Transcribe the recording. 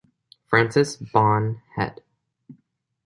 Francis Bond Head.